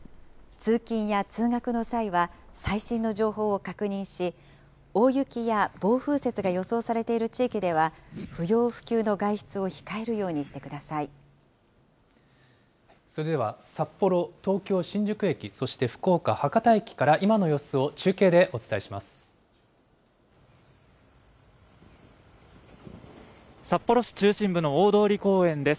通勤や通学の際は、最新の情報を確認し、大雪や暴風雪が予想されている地域では、不要不急の外出を控えるそれでは札幌、東京・新宿駅、そして福岡・博多駅から、今の様子を中継でお伝えします。